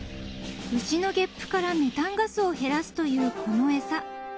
［牛のゲップからメタンガスを減らすというこの餌］